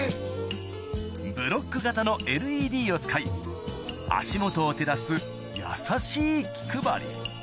ブロック型のＬＥＤを使い足元を照らす優しい気配り